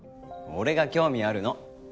俺が興味あるの。